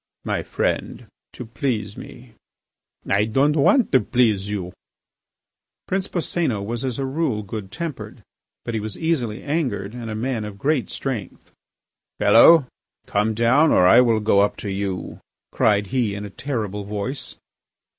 "My friend, to please me. ..." "I don't want to please you." Prince Boscénos was as a rule good tempered, but he was easily angered and a man of great strength. "Fellow, come down or I will go up to you," cried he, in a terrible voice.